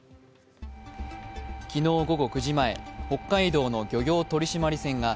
昨日午後９時前、北海道の漁業取締船が